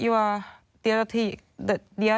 ก็คือถามขึ้นมาเชียว